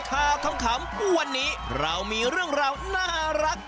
ขำวันนี้เรามีเรื่องราวน่ารัก